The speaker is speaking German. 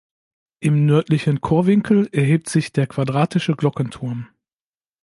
Im nördlichen Chorwinkel erhebt sich der quadratische Glockenturm.